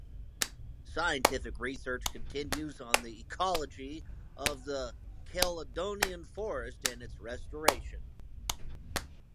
Scientific research continues on the ecology of the Caledonian Forest and its restoration.